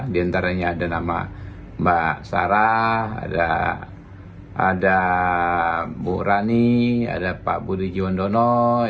di antaranya ada nama mbak sarah ada bu rani ada pak budi jundono